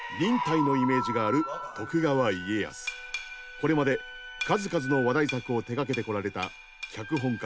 これまで数々の話題作を手がけてこられた脚本家